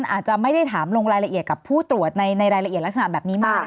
อาจจะไม่ได้ถามลงรายละเอียดกับผู้ตรวจในรายละเอียดลักษณะแบบนี้มาก